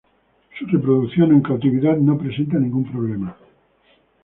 Su reproducción en cautividad no presenta ningún problema.